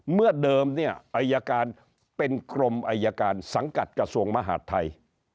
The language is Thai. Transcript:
เมื่อเดิมเนี่ยอายการเป็นกรมอายการสังกัดกระทรวงมหาดไทย